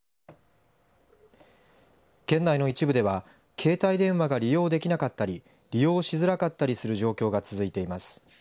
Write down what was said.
携帯電話が利用できなかったり利用しづらかったりする状況が続いています。